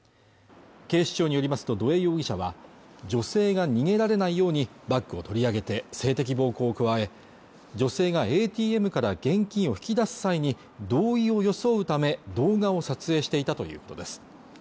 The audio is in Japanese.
警視庁によりますと土江容疑者は女性が逃げられないようにバッグを取り上げて性的暴行を加え女性がＡＴＭから現金を引き出す際に同意を装うため動画を撮影していたということです